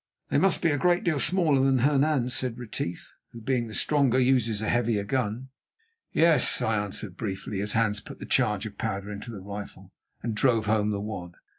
"They must be a great deal smaller than Hernan's," said Retief, "who, being stronger, uses a heavier gun." "Yes," I answered briefly, as Hans put the charge of powder into the rifle, and drove home the wad.